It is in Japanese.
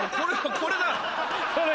これだ！